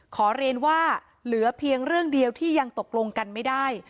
ขอเรียนว่าเหลือเพียงเรื่องเดียวที่ยังตกลงกันไม่ได้